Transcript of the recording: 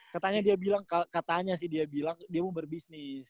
katanya dia bilang katanya sih dia bilang dia mau berbisnis